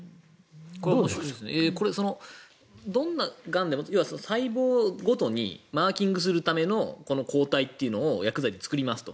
これ、どんながんでも要は細胞ごとにマーキングするための抗体っていうのを薬剤で作りますと。